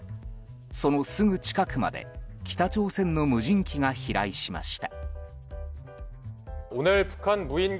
そのすぐ近くまで北朝鮮の無人機が飛来しました。